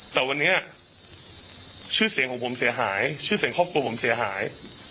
แต่วันนี้ชื่อเสียงของผมเสียหายชื่อเสียงครอบครัวผมเสียหาย